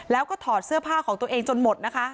แล้วก็ถอดเสื้อผ้าของตัวเองจนหมดนะคะ